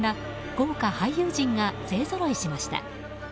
豪華俳優陣が勢ぞろいしました。